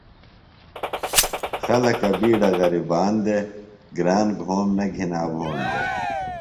خلکہ بِیڈہ غرِیبان دےۡ۔ گران گھوم نہ گِھنا بھون دےۡ۔